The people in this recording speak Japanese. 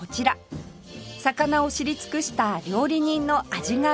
魚を知り尽くした料理人の味が評判です